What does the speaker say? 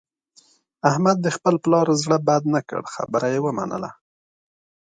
احمد د خپل پلار زړه بد نه کړ، خبره یې ومنله.